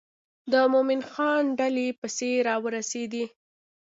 د مومن خان ډلې پسې را ورسېدې.